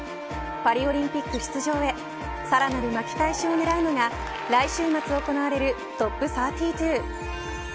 パリオリンピック出場へさらなる巻き返しを狙うのが来週末行われるＴＯＰ３２。